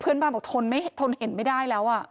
เพื่อนบ้านบอกทนเห็นไม่ได้แล้ว